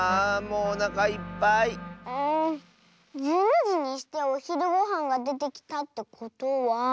うん１２じにしておひるごはんがでてきたってことは。